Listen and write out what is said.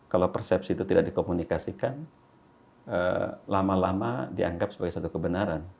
kalau persepsi itu tidak dikomunikasikan lama lama dianggap sebagai satu kebenaran